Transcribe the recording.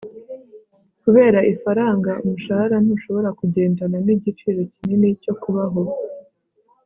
kubera ifaranga, umushahara ntushobora kugendana nigiciro kinini cyo kubaho